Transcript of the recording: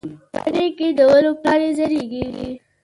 مني کې د ونو پاڼې رژېږي